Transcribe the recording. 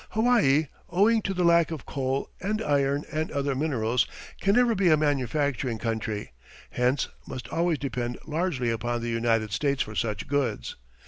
Hawaii, owing to the lack of coal and iron and other minerals, can never be a manufacturing country, hence must always depend largely upon the United States for such goods.